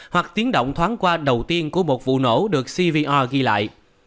hoặc tiếng động thoáng qua đầu tiên của một vụ nổ được cvr ghi lại